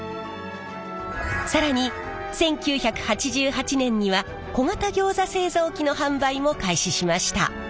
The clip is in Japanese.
更に１９８８年には小型ギョーザ製造機の販売も開始しました。